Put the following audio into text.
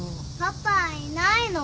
パパいないの？